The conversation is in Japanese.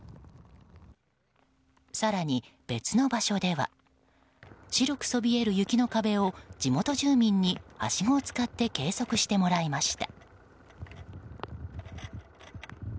更に別の場所では白くそびえる雪の壁を地元住民にはしごを使って計測してもらいました。